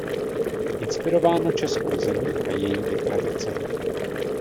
Inspirováno českou zemí a jejími tradicemi.